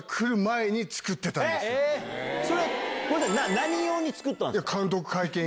何用に作ったんですか？